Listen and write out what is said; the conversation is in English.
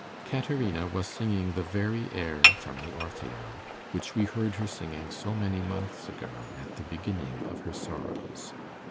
Caterina was singing the very air from the Orfeo which we heard her singing so many months ago at the beginning of her sorrows.